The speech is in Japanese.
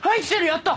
やった！